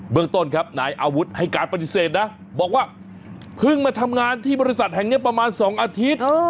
เมืองต้นครับนายอาวุธให้การปฏิเสธนะบอกว่าเพิ่งมาทำงานที่บริษัทแห่งนี้ประมาณ๒อาทิตย์